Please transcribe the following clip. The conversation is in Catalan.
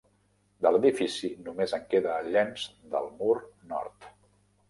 De l'edifici només en queda el llenç del mur nord.